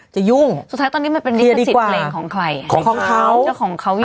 ยุ่งสุดท้ายตอนนี้มันเป็นลิขสิทธิ์เพลงของใครของเขาเจ้าของเขาอยู่